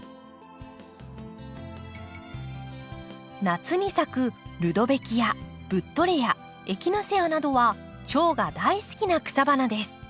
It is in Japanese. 夏に咲くルドベキアブッドレアエキナセアなどはチョウが大好きな草花です。